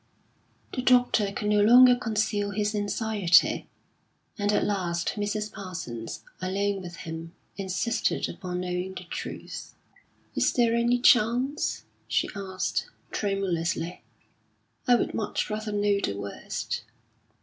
The doctor could no longer conceal his anxiety, and at last Mrs. Parsons, alone with him, insisted upon knowing the truth. "Is there any chance?" she asked, tremulously. "I would much rather know the worst."